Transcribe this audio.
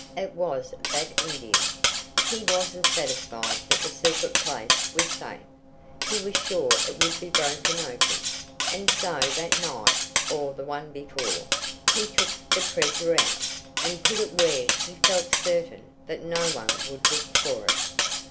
"It was that Indian. He wasn't satisfied that the secret place was safe. He was sure it would be broken open, and so that night, or the one before, he took the treasure out, and put it where he felt certain that no one would look for it."